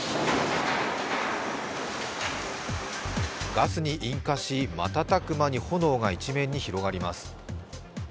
ガスに引火し瞬く間に炎が一面に広がります。